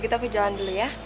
kita ke jalan dulu ya